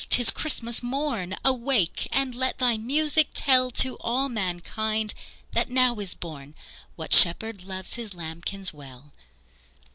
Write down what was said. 't is Christmas morn Awake and let thy music tell To all mankind that now is born What Shepherd loves His lambkins well!"